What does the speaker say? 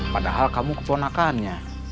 padahal kamu keponakannya